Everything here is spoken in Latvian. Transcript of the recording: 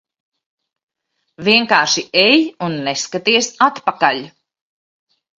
Vienkārši ej un neskaties atpakaļ.